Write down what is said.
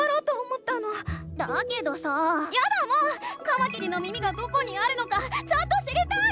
カマキリの耳がどこにあるのかちゃんと知りたい！